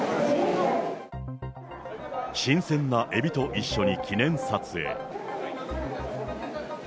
新鮮なエビと一緒に記念撮影。